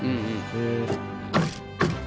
へえ。